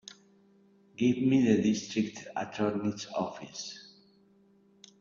Give me the District Attorney's office.